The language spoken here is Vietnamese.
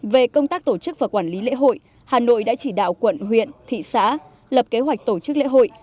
về công tác tổ chức và quản lý lễ hội hà nội đã chỉ đạo quận huyện thị xã lập kế hoạch tổ chức lễ hội